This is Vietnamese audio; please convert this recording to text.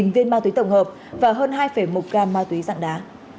một mươi viên ma túy tổng hợp và hơn hai một gam ma túy dạng đá